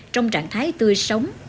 trong trạng thái tươi sống